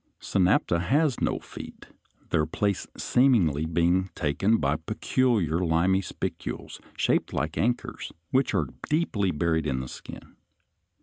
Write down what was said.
Synapta has no feet, their place seemingly being taken by peculiar limy spicules, shaped like anchors (Fig. 59), which are deeply buried in the skin.